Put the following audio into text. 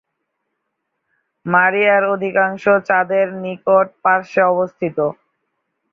মারিয়ার অধিকাংশ চাঁদের নিকট পার্শ্বে অবস্থিত।